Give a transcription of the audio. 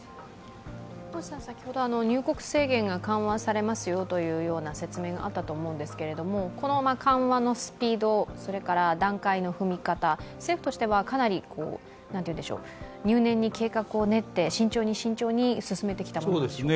星さん、先ほど、入国制限が緩和されますという説明がありましたがこの緩和のスピード、段階の踏み方、政府としてはかなり入念に計画を練って、慎重に慎重に進めてきたものなんでしょうか？